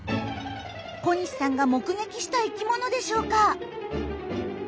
小西さんが目撃した生きものでしょうか？